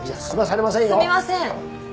すみません。